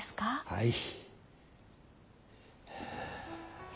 はい。